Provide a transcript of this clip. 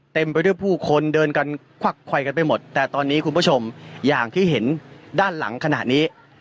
เต็มไปด้วยผู้คนเดินกันควักไขวกันไปหมดแต่ตอนนี้คุณผู้ชมอย่างที่เห็นด้านหลังขณะนี้